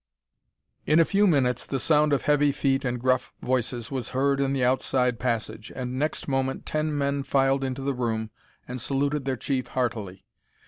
In a few minutes the sound of heavy feet and gruff voices was heard in the outside passage, and next moment ten men filed into the room and saluted their chief heartily.